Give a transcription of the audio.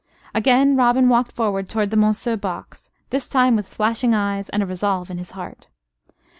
Again Robin walked forward towards the Monceux box; this time with flashing eyes and a resolve in his heart.